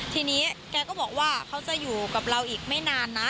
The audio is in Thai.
ทีนี้แกก็บอกว่าเขาจะอยู่กับเราอีกไม่นานนะ